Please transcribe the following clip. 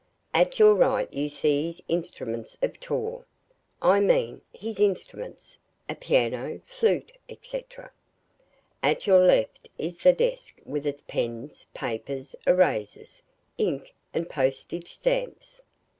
"At your right you see his instruments of tor I mean, his instruments: a piano, flute, etc. At your left is the desk with its pens, paper, erasers, ink and postage stamps.